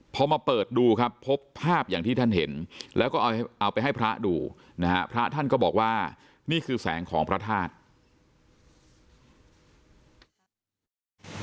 พอมาเปิดดูครับพบภาพอย่างที่ท่านเห็นแล้วก็เอาไปให้พระดูนะฮะพระท่านก็บอกว่านี่คือแสงของพระธาตุ